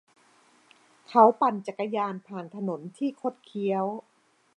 เขาปั่นจักรยานผ่านถนนที่คดเคี้ยว